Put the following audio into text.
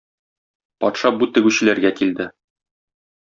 Патша бу тегүчеләргә килде.